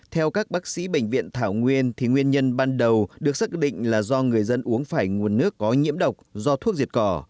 theo các bác sĩ bệnh viện thảo nguyên thì nguyên nhân ban đầu được xác định là do người dân uống phải nguồn nước có nhiễm độc do thuốc diệt cỏ